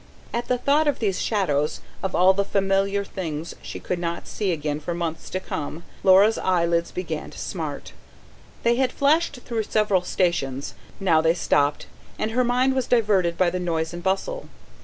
At the thought of these shadows, of all the familiar things she would not see again for months to come, Laura's eyelids began to smart. They had flashed through several stations; now they stopped; and her mind was diverted by the noise and bustle.